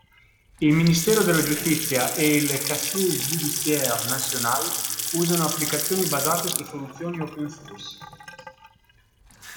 Il Ministero della Giustizia e il "Casier Judiciaire National" usano applicazioni basate su soluzioni open source.